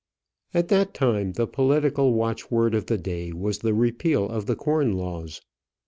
At that time the political watchword of the day was the repeal of the corn laws.